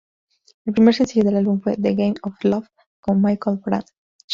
El primer sencillo del álbum fue "The Game of Love", con Michelle Branch.